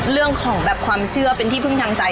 เรื่องของแบบความเชื่อเป็นที่พึ่งทางใจ